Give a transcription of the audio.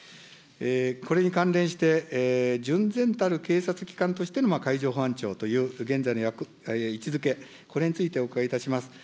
これに関連して、純然たる警察機関としての海上保安庁という現在の位置づけ、これについてお伺いいたします。